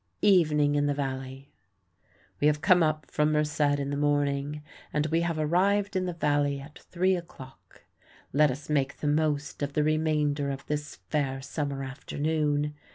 Evening in the Valley We have come up from Merced in the morning, and we have arrived in the Valley at three o'clock. Let us make the most of the remainder of this fair summer afternoon.